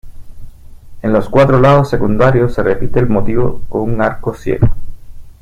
En los cuatro lados secundarios se repite el motivo con un arco ciego.